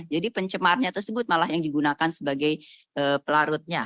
pencemarnya tersebut malah yang digunakan sebagai pelarutnya